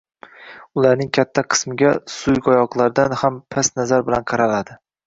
Ularning katta qismiga suyuqoyoqlardan ham past nazar bilan qaraldi